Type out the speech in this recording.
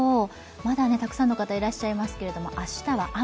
まだたくさんの方いらっしゃいますけど明日は雨。